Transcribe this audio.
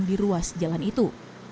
di ruas jalan itu